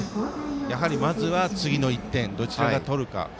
やはりまずは次の１点どちらがとるか。